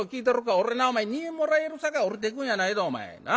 俺なお前二円もらえるさかい下りていくんやないぞお前。